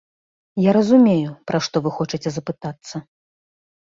Я разумею, пра што вы хочаце запытацца.